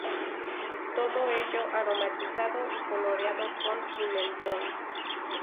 Todo ello aromatizado y coloreado con pimentón.